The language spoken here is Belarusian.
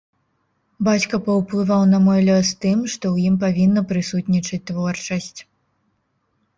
Бацька паўплываў на мой лёс тым, што ў ім павінна прысутнічаць творчасць.